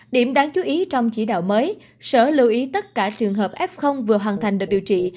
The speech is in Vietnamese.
điểm đáng chú ý trong chỉ đạo mới sở lưu ý tất cả trường hợp f vừa hoàn thành được điều trị